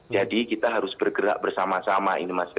jadi kita harus bergerak bersama sama